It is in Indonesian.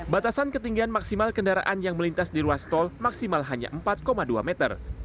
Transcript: batasan ketinggian maksimal kendaraan yang melintas di ruas tol maksimal hanya empat dua meter